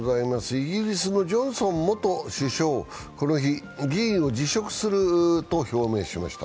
イギリスのジョンソン元首相この日、議員を辞職すると表明しました。